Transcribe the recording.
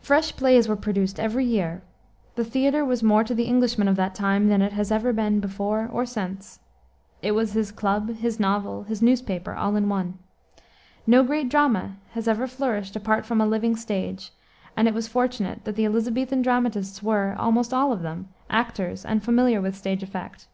Fresh plays were produced every year. The theater was more to the Englishman of that time than it has ever been before or since. It was his club, his novel, his newspaper all in one. No great drama has ever flourished apart from a living stage, and it was fortunate that the Elisabethan dramatists were, almost all of them, actors and familiar with stage effect.